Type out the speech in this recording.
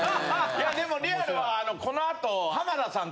いやでもリアルはこのあと。